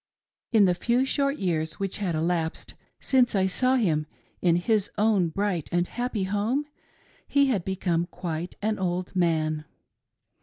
In the few short years which had elapsed since I saw him in his own bright and happy home, he had become quite an old man.